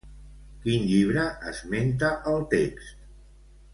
Quin llibre esmenta el text?